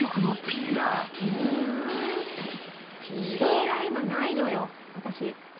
ピーラー今ないのよ私。